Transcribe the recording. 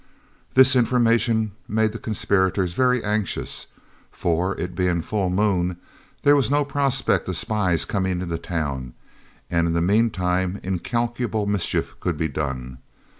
This information made the conspirators very anxious, for it being full moon, there was no prospect of spies coming into town, and in the meantime incalculable mischief could be done.